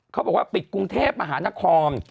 เขาบอกว่าปิดกรุงเทพมหานคร